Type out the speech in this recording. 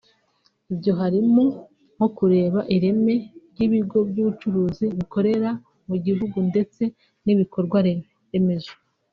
Ibyo harimo nko kureba ireme ry’ibigo by’ubucuruzi bikorera mu gihugu ndetse n’ibikorwa remezo